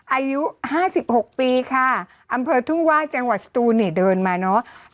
อายุ๕๖ปีค่ะอำเภอทุ่งว่าจังหวัดสตูนนี่เดินมาเนอะ